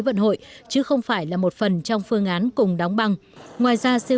hàn quốc không ủng hộ phương án cùng đóng băng